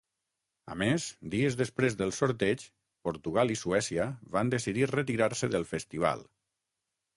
A més, dies després del sorteig Portugal i Suècia van decidir retirar-se del festival.